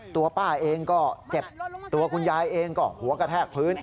ตัวป้าเองก็เจ็บตัวคุณยายเองก็หัวกระแทกพื้น